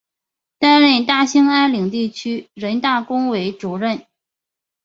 担任大兴安岭地区人大工委主任。